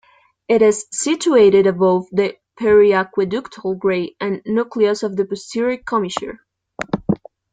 It is situated above the periaqueductal grey and nucleus of the posterior commissure.